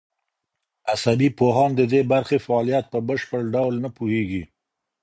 عصبي پوهان د دې برخې فعالیت په بشپړ ډول نه پوهېږي.